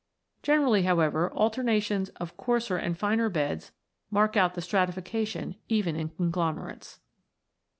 Generally, however, alterna tions of coarser and finer beds mark out the stratifica tion even in conglomerates.